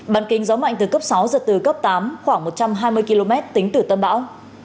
bàn kinh gió mạnh từ cấp sáu giật từ cấp tám khoảng một trăm hai mươi km tính từ tâm bão